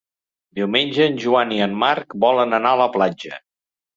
Diumenge en Joan i en Marc volen anar a la platja.